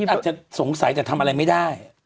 อาจจะสงสัยแต่ทำอะไรไม่ได้